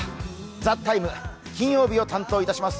「ＴＨＥＴＩＭＥ，」、金曜日を担当いたします